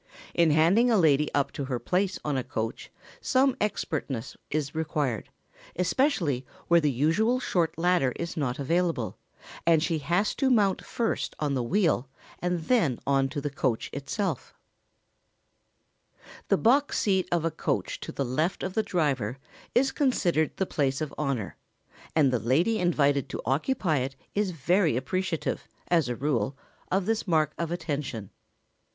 In handing a lady up to her place on a coach some expertness is required, especially where the usual short ladder is not available, and she has to mount first on the wheel and then on to the coach itself. [Sidenote: Invitations to coach drives.] The box seat of a coach to the left of the driver is considered the place of honour, and the lady invited to occupy it is very appreciative, as a rule, of this mark of attention.